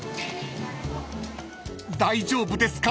［大丈夫ですか？］